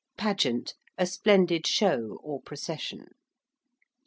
~pageant~: a splendid show or procession.